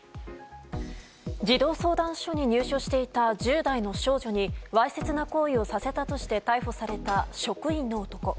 児童相談所に入所していた１０代の少女にわいせつな行為をさせたとして逮捕された職員の男。